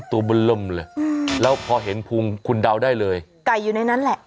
ตัวมันเริ่มเลยแล้วพอเห็นพุงคุณเดาได้เลยไก่อยู่ในนั้นแหละ